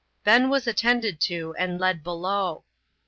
Ben was attended to, and led below.